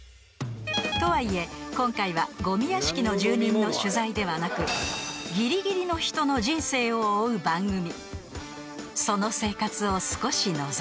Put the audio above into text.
［とはいえ今回はゴミ屋敷の住人の取材ではなくギリギリの人の人生を追う番組］